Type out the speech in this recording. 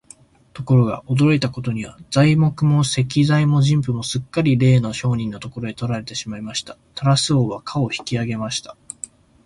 ところが、驚いたことには、材木も石材も人夫もすっかりれいの商人のところへ取られてしまいました。タラス王は価を引き上げました。